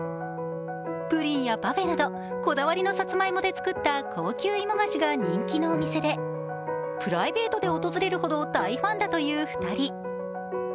プリンやパフェなどこだわりのさつまいもで作った高級芋菓子が人気のお店でプライベートで訪れるほど大ファンだという２人。